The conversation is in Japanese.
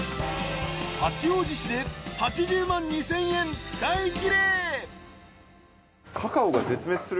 ［八王子市で８０万２，０００円使いきれ］